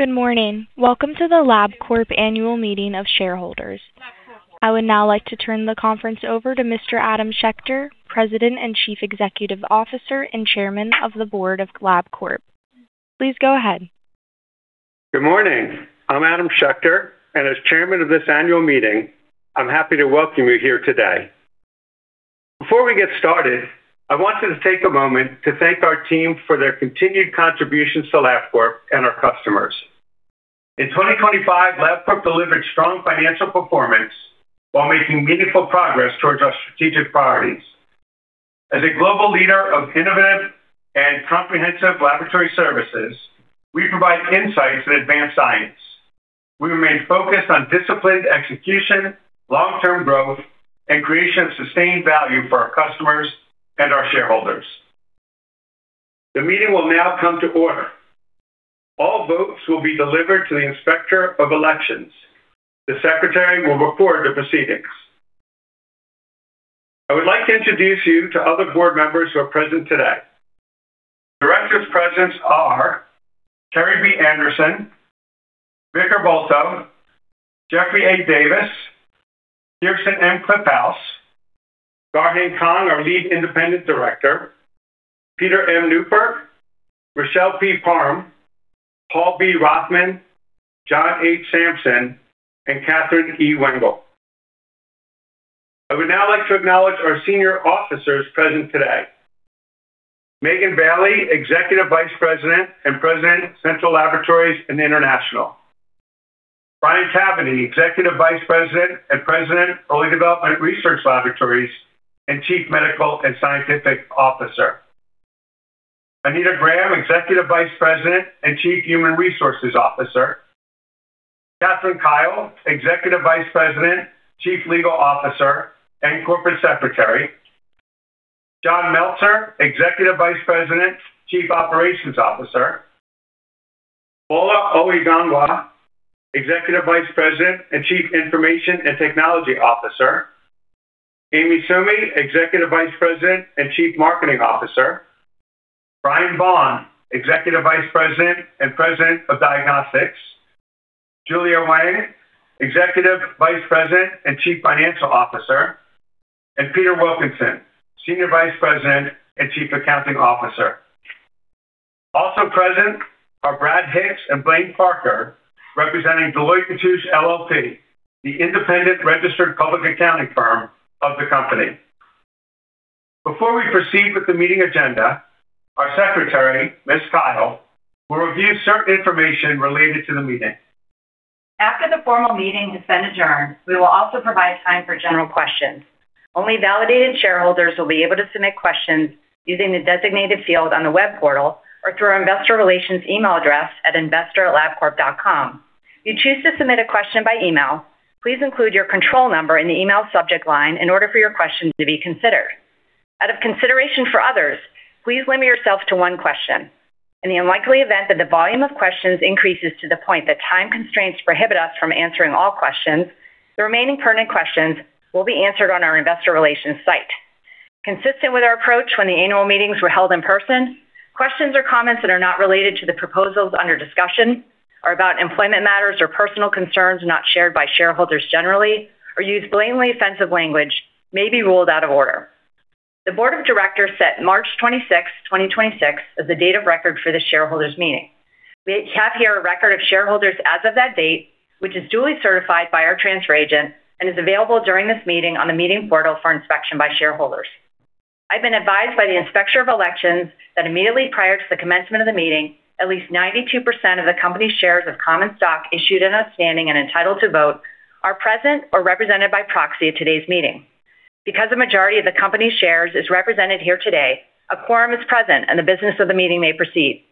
Good morning. Welcome to the Labcorp Annual Meeting of Shareholders. I would now like to turn the conference over to Mr. Adam Schechter, President and Chief Executive Officer and Chairman of the Board of Labcorp. Please go ahead. Good morning. I'm Adam Schechter, as Chairman of this annual meeting, I'm happy to welcome you here today. Before we get started, I wanted to take a moment to thank our team for their continued contributions to Labcorp and our customers. In 2025, Labcorp delivered strong financial performance while making meaningful progress towards our strategic priorities. As a global leader of innovative and comprehensive laboratory services, we provide insights that advance science. We remain focused on disciplined execution, long-term growth, and creation of sustained value for our customers and our shareholders. The meeting will now come to order. All votes will be delivered to the Inspector of Elections. The Secretary will record the proceedings. I would like to introduce you to other Board members who are present today. Directors present are Kerrii B. Anderson, Victor Bulto, Jeffrey A. Davis, Kirsten M. Kliphouse, Garheng Kong, our Lead Independent Director, Peter M. Neupert, Richelle P. Parham, Paul B. Rothman, John H. Sampson, and Kathryn E. Wengel. I would now like to acknowledge our Senior Officers present today. Megan Bailey, Executive Vice President and President, Central Laboratories and International. Brian J. Caveney, Executive Vice President and President, Early Development Research Laboratories, and Chief Medical and Scientific Officer. Anita Graham, Executive Vice President and Chief Human Resources Officer. Kathryn W. Kyle, Executive Vice President, Chief Legal Officer, and Corporate Secretary. Jon Meltzer, Executive Vice President, Chief Operations Officer. Bola Oyegunwa, Executive Vice President and Chief Information and Technology Officer. Amy Summy, Executive Vice President and Chief Marketing Officer. Bryan Vaughn, Executive Vice President and President of Diagnostics. Julia Wang, Executive Vice President and Chief Financial Officer, and Peter Wilkinson, Senior Vice President and Chief Accounting Officer. Also present are Brad Hicks and Blane Parker, representing Deloitte & Touche LLP, the independent registered public accounting firm of the company. Before we proceed with the meeting agenda, our Secretary, Ms. Kyle, will review certain information related to the meeting. After the formal meeting has been adjourned, we will also provide time for general questions. Only validated shareholders will be able to submit questions using the designated field on the web portal or through our investor relations email address at investor@labcorp.com. If you choose to submit a question by email, please include your control number in the email subject line in order for your question to be considered. Out of consideration for others, please limit yourself to one question. In the unlikely event that the volume of questions increases to the point that time constraints prohibit us from answering all questions, the remaining pertinent questions will be answered on our Investor Relations site. Consistent with our approach when the annual meetings were held in person, questions or comments that are not related to the proposals under discussion, are about employment matters or personal concerns not shared by shareholders generally, or use blatantly offensive language may be ruled out of order. The Board of Directors set March 26th, 2026, as the date of record for the shareholders' meeting. We have here a record of shareholders as of that date, which is duly certified by our transfer agent and is available during this meeting on the meeting portal for inspection by shareholders. I've been advised by the Inspector of Elections that immediately prior to the commencement of the meeting, at least 92% of the company's shares of common stock issued and outstanding and entitled to vote are present or represented by proxy at today's meeting. Because a majority of the company's shares is represented here today, a quorum is present, and the business of the meeting may proceed.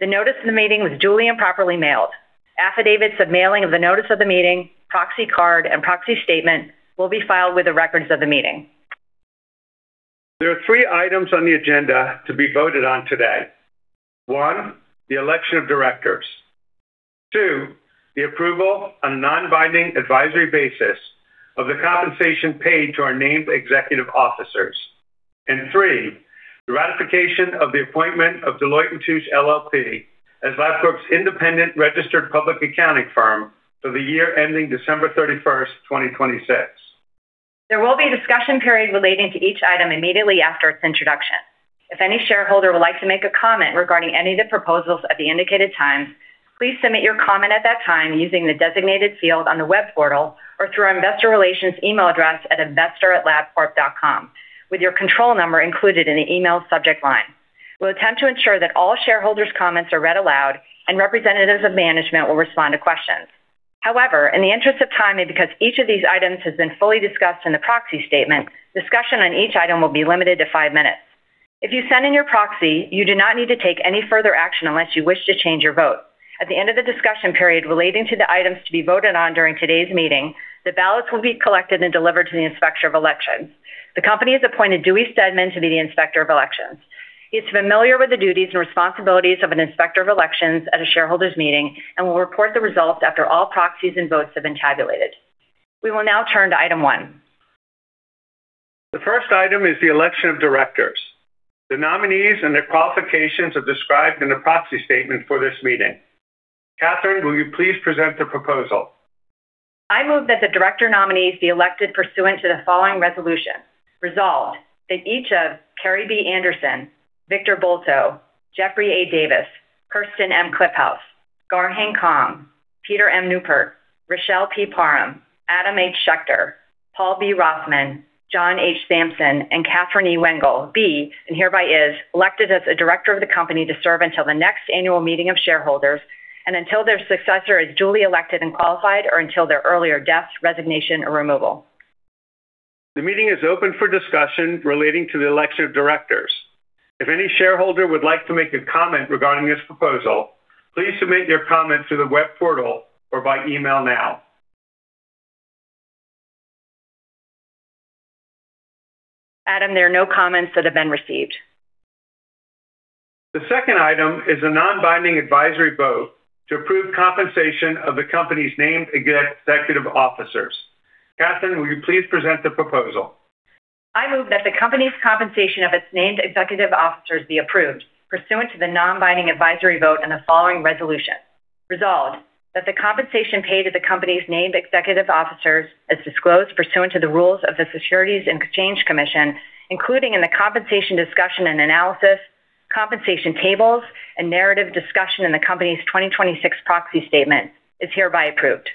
The notice of the meeting was duly and properly mailed. Affidavits of mailing of the notice of the meeting, proxy card, and proxy statement will be filed with the records of the meeting. There are three items on the agenda to be voted on today. One, the election of directors. Two, the approval on a non-binding advisory basis of the compensation paid to our named executive officers. Three, the ratification of the appointment of Deloitte & Touche LLP as Labcorp's independent registered public accounting firm for the year ending December 31st, 2026. There will be a discussion period relating to each item immediately after its introduction. If any shareholder would like to make a comment regarding any of the proposals at the indicated time, please submit your comment at that time using the designated field on the web portal or through our Investor Relations email address at investor@labcorp.com with your control number included in the email subject line. We'll attempt to ensure that all shareholders' comments are read aloud, and representatives of management will respond to questions. However, in the interest of time and because each of these items has been fully discussed in the proxy statement, discussion on each item will be limited to five minutes. If you send in your proxy, you do not need to take any further action unless you wish to change your vote. At the end of the discussion period relating to the items to be voted on during today's meeting, the ballots will be collected and delivered to the Inspector of Elections. The company has appointed Dewey Steadman to be the Inspector of Elections. He is familiar with the duties and responsibilities of an Inspector of Elections at a shareholders meeting and will report the results after all proxies and votes have been tabulated. We will now turn to item one The first item is the election of directors. The nominees and their qualifications are described in the proxy statement for this meeting. Kathryn, will you please present the proposal? I move that the director nominees be elected pursuant to the following resolution. Resolved, that each of Kerrii B. Anderson, Victor Bulto, Jeffrey A. Davis, Kirsten M. Kliphouse, Garheng Kong, Peter M. Neupert, Richelle P. Parham, Adam H. Schechter, Paul B. Rothman, John H. Sampson, and Kathryn E. Wengel be, and hereby is, elected as a director of the company to serve until the next annual meeting of shareholders and until their successor is duly elected and qualified, or until their earlier death, resignation, or removal. The meeting is open for discussion relating to the election of directors. If any shareholder would like to make a comment regarding this proposal, please submit your comment through the web portal or by email now. Adam, there are no comments that have been received. The second item is a non-binding advisory vote to approve compensation of the company's named executive officers. Kathryn, will you please present the proposal? I move that the company's compensation of its named executive officers be approved pursuant to the non-binding advisory vote and the following resolution. Resolved, that the compensation paid to the company's named executive officers, as disclosed pursuant to the rules of the Securities and Exchange Commission, including in the compensation discussion and analysis, compensation tables, and narrative discussion in the company's 2026 proxy statement is hereby approved.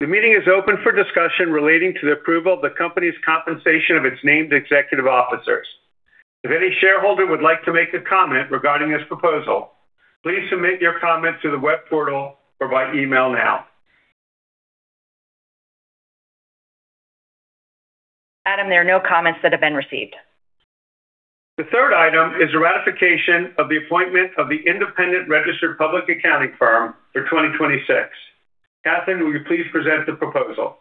The meeting is open for discussion relating to the approval of the company's compensation of its named executive officers. If any shareholder would like to make a comment regarding this proposal, please submit your comment through the web portal or by email now. Adam, there are no comments that have been received. The third item is a ratification of the appointment of the independent registered public accounting firm for 2026. Kathryn, will you please present the proposal?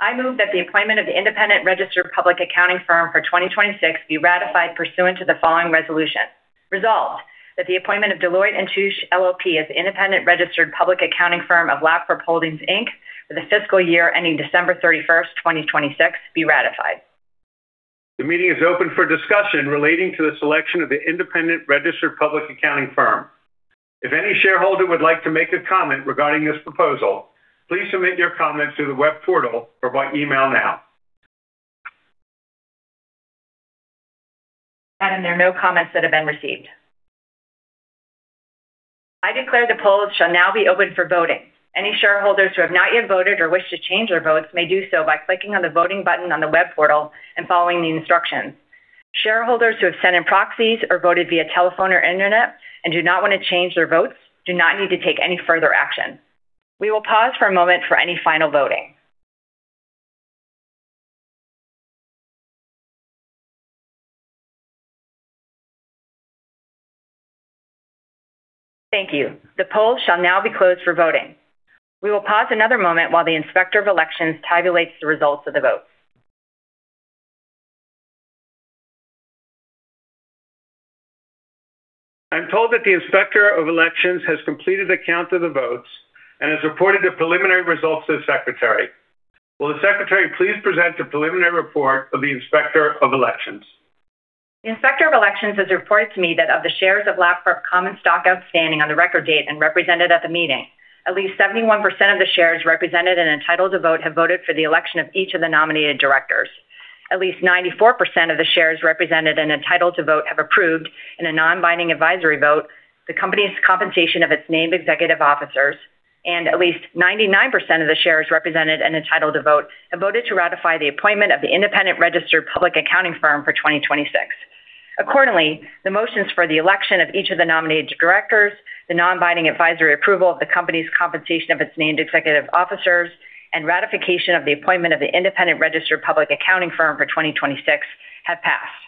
I move that the appointment of the independent registered public accounting firm for 2026 be ratified pursuant to the following resolution. Resolved, that the appointment of Deloitte & Touche LLP as independent registered public accounting firm of Labcorp Holdings, Inc for the fiscal year ending December 31st, 2026 be ratified. The meeting is open for discussion relating to the selection of the independent registered public accounting firm. If any shareholder would like to make a comment regarding this proposal, please submit your comment through the web portal or by email now. Adam, there are no comments that have been received. I declare the polls shall now be open for voting. Any shareholders who have not yet voted or wish to change their votes may do so by clicking on the Voting button on the web portal and following the instructions. Shareholders who have sent in proxies or voted via telephone or internet and do not want to change their votes do not need to take any further action. We will pause for a moment for any final voting. Thank you. The poll shall now be closed for voting. We will pause another moment while the Inspector of Elections tabulates the results of the votes. I'm told that the Inspector of Elections has completed a count of the votes and has reported the preliminary results to the Secretary. Will the Secretary please present the preliminary report of the Inspector of Elections? The Inspector of Elections has reported to me that of the shares of Labcorp common stock outstanding on the record date and represented at the meeting, at least 71% of the shares represented and entitled to vote have voted for the election of each of the nominated directors. At least 94% of the shares represented and entitled to vote have approved, in a non-binding advisory vote, the company's compensation of its named executive officers, and at least 99% of the shares represented and entitled to vote have voted to ratify the appointment of the independent registered public accounting firm for 2026. Accordingly, the motions for the election of each of the nominated directors, the non-binding advisory approval of the company's compensation of its named executive officers, and ratification of the appointment of the independent registered public accounting firm for 2026 have passed.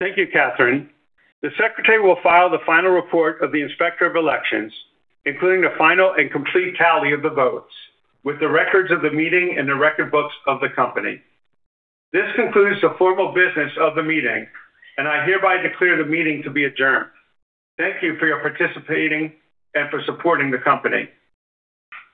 Thank you, Kathryn. The Secretary will file the final report of the Inspector of Elections, including the final and complete tally of the votes with the records of the meeting in the record books of the company. This concludes the formal business of the meeting. I hereby declare the meeting to be adjourned. Thank you for your participating and for supporting the company.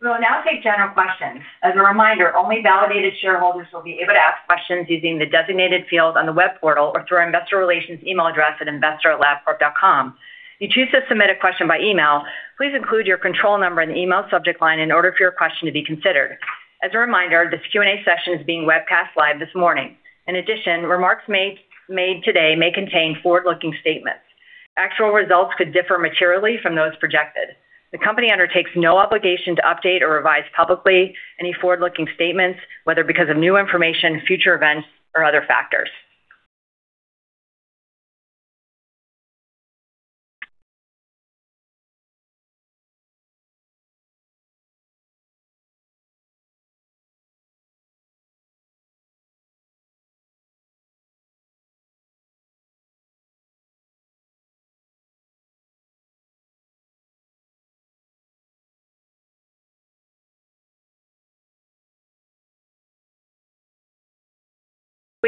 We will now take general questions. As a reminder, only validated shareholders will be able to ask questions using the designated field on the web portal or through our Investor Relations email address at investor@labcorp.com. If you choose to submit a question by email, please include your control number in the email subject line in order for your question to be considered. As a reminder, this Q&A session is being webcast live this morning. Remarks made today may contain forward-looking statements. Actual results could differ materially from those projected. The company undertakes no obligation to update or revise publicly any forward-looking statements, whether because of new information, future events, or other factors.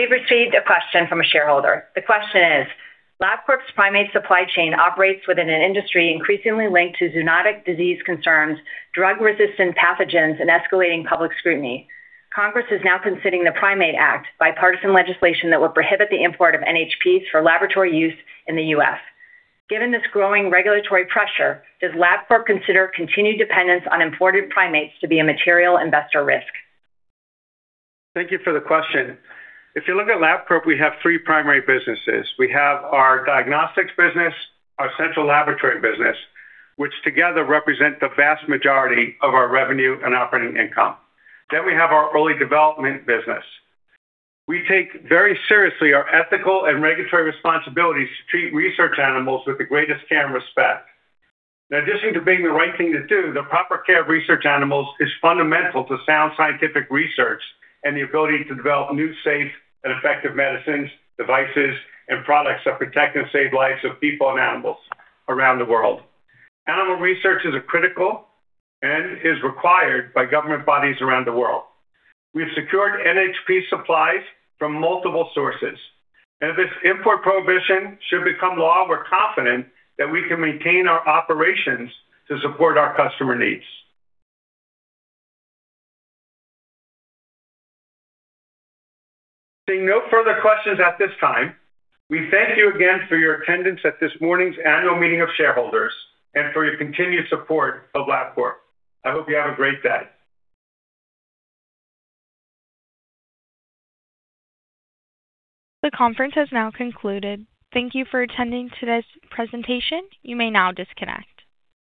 We've received a question from a shareholder. The question is: Labcorp's primate supply chain operates within an industry increasingly linked to zoonotic disease concerns, drug-resistant pathogens, and escalating public scrutiny. Congress is now considering the PRIMATE Act, bipartisan legislation that would prohibit the import of NHPs for laboratory use in the U.S. Given this growing regulatory pressure, does Labcorp consider continued dependence on imported primates to be a material investor risk? Thank you for the question. If you look at Labcorp, we have three primary businesses. We have our Diagnostics business, our Central Laboratory business, which together represent the vast majority of our revenue and operating income. We have our Early Development business. We take very seriously our ethical and regulatory responsibilities to treat research animals with the greatest care and respect. In addition to being the right thing to do, the proper care of research animals is fundamental to sound scientific research and the ability to develop new, safe, and effective medicines, devices, and products that protect and save lives of people and animals around the world. Animal research is a critical and is required by government bodies around the world. We've secured NHP supplies from multiple sources, and if this import prohibition should become law, we're confident that we can maintain our operations to support our customer needs. Seeing no further questions at this time, we thank you again for your attendance at this morning's annual meeting of shareholders and for your continued support of Labcorp. I hope you have a great day. The conference has now concluded. Thank you for attending today's presentation. You may now disconnect.